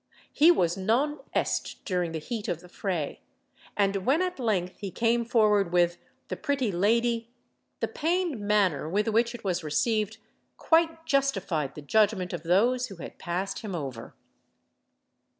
He was non est during the heat of the fray, and when at length he came forward with "The Pretty Lady" the pained manner with which it was received quite justified the judgment of those who had passed him over.